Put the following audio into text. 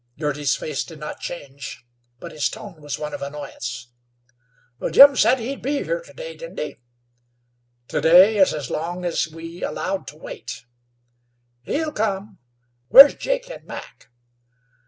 Girty's face did not change, but his tone was one of annoyance. "Jim said he'd be here to day, didn't he?" "To day is as long as we allowed to wait." "He'll come. Where's Jake and Mac?"